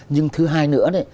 nhưng thứ hai nữa